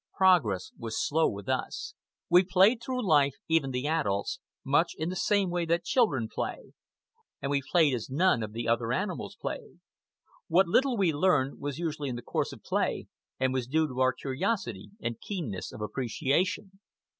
Progress was slow with us. We played through life, even the adults, much in the same way that children play, and we played as none of the other animals played. What little we learned, was usually in the course of play, and was due to our curiosity and keenness of appreciation.